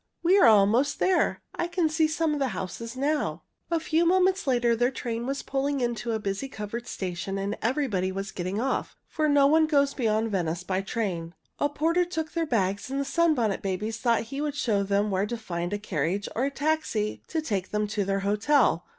We are almost there. I can see some of the houses now." A few moments later their train was pulling into a busy covered station and everybody was getting off, for no one goes beyond Venice by train. A porter took their bags, and the Sunbonnet Babies thought he would show them where to find a carriage or a taxi to take them to their hotel.